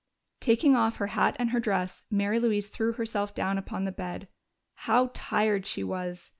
Taking off her hat and her dress, Mary Louise threw herself down upon the bed. How tired she was!